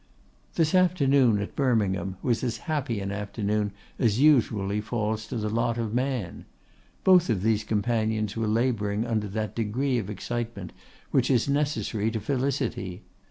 This afternoon, at Birmingham, was as happy an afternoon as usually falls to the lot of man. Both of these companions were labouring under that degree of excitement which is necessary to felicity.